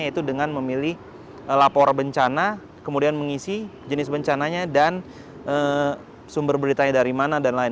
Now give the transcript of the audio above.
yaitu dengan memilih lapor bencana kemudian mengisi jenis bencananya dan sumber beritanya dari mana dan lain